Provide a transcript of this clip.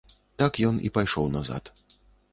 Так ён і пайшоў назад.